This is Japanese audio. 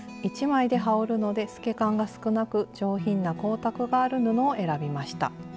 １枚で羽織るので透け感が少なく上品な光沢がある布を選びました。